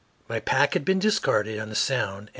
My pack had been discarded on the Sound.